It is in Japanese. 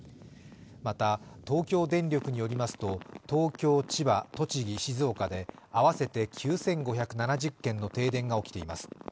また、東京電力によりますと東京、千葉、栃木、静岡で合わせて９５７０件の停電が起きています。